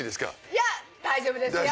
いや大丈夫ですよ。